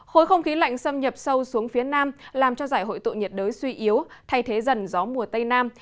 khối không khí lạnh xâm nhập sâu xuống phía nam làm cho giải hội tụ nhiệt đới suy yếu thay thế dần gió mùa tây nam